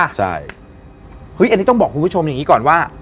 อันนี้ต้องบอกคุณผู้ชมอย่างนี้ก่อนว่า